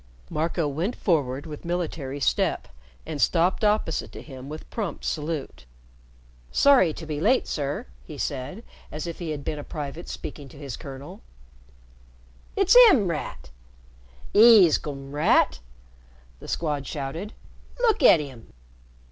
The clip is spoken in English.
Marco went forward with military step and stopped opposite to him with prompt salute. "Sorry to be late, sir," he said, as if he had been a private speaking to his colonel. "It's 'im, Rat! 'E's come, Rat!" the Squad shouted. "Look at 'im!"